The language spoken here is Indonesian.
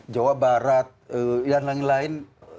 jawa barat dan lain lain